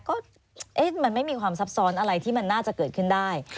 ก็มันไม่มีความซับซ้อนอะไรที่มันน่าจะเกิดขึ้นได้